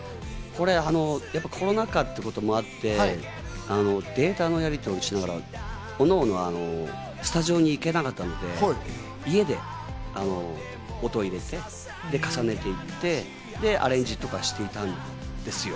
コロナ禍ということもあって、データのやりとりをしながら、おのおのスタジオに行けなかったので、家で音を入れて、重ねていってアレンジとかしていたんですよ。